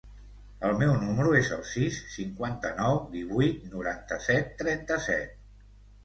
El meu número es el sis, cinquanta-nou, divuit, noranta-set, trenta-set.